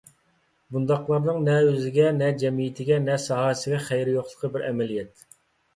بۇنداقلارنىڭ نە ئۆزىگە، نە جەمئىيىتىگە، نە ساھەسىگە خەيرى يوقلۇقى بىر ئەمەلىيەت.